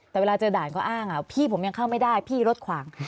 แต่เวลาเจอด่านเขาอ้างพี่ผมยังเข้าไม่ได้พี่รถขวาง